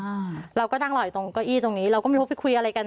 อ่าเราก็นั่งรออยู่ตรงเก้าอี้ตรงนี้เราก็ไม่รู้ไปคุยอะไรกัน